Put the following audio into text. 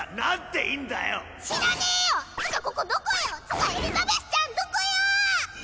ここどこよ⁉つかエリザベスちゃんどこよ